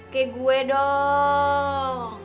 kayak gue dong